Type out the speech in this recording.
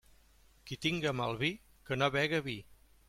Qui tinga mal vi, que no bega vi.